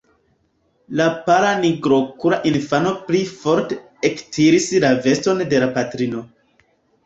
La pala nigrokula infano pli forte ektiris la veston de la patrino.